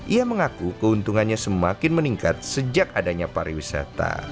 ia mengaku keuntungannya semakin meningkat sejak adanya pariwisata